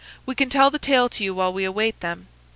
We can tell the tale to you while we await them.